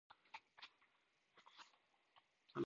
貴方のために生きていいかな